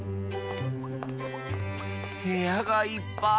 へやがいっぱい！